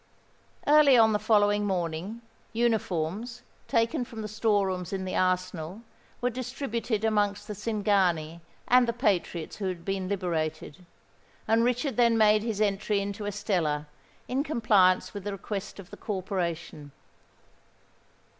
Early on the following morning uniforms, taken from the store rooms in the arsenal, were distributed amongst the Cingani and the patriots who had been liberated; and Richard then made his entry into Estella, in compliance with the request of the corporation.